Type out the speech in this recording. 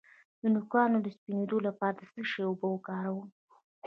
د نوکانو د سپینیدو لپاره د څه شي اوبه وکاروم؟